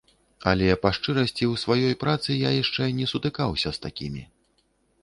Але, па-шчырасці, у сваёй працы я яшчэ не сутыкаўся з такімі.